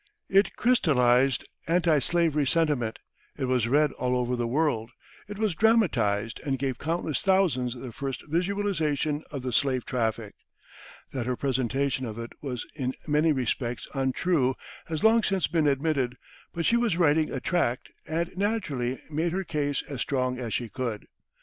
It crystallized anti slavery sentiment, it was read all over the world, it was dramatized and gave countless thousands their first visualization of the slave traffic. That her presentation of it was in many respects untrue has long since been admitted, but she was writing a tract and naturally made her case as strong as she could.